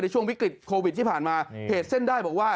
ช่วงวิกฤตโควิดที่ผ่านมาเพจเส้นได้บอกว่า